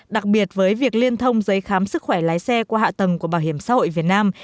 đặc biệt với việc liên thông giấy khám sức khỏe lái xe qua hạ tầng của bảo hiểm xã hội việt nam